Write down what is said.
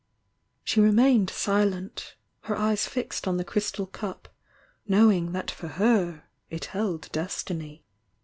She remained silent, her eyes fixed on the crystal cup, knowing that for her it held destiny.